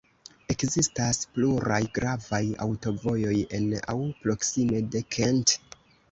Ekzistas pluraj gravaj aŭtovojoj en aŭ proksime de Kent.